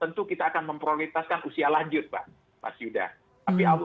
tentu kita akan memprioritaskan usia lanjut pak mas yuda